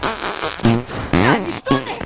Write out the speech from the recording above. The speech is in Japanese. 何しとんねん！